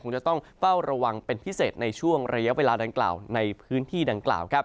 จะต้องเฝ้าระวังเป็นพิเศษในช่วงระยะเวลาดังกล่าวในพื้นที่ดังกล่าว